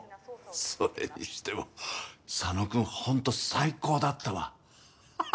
それにしても佐野くんホント最高だったわ！